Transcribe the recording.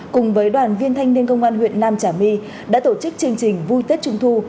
cùng với đoàn viên thanh niên công an huyện nam trà my đã tổ chức chương trình vui tết trung thu